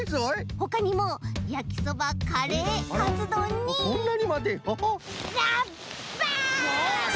ほかにもやきそばカレーかつどんにあっこんなにまでアハザッバン！